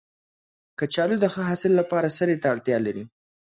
کچالو د ښه حاصل لپاره سرې ته اړتیا لري